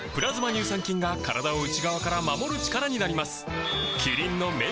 乳酸菌が体を内側から守る力になります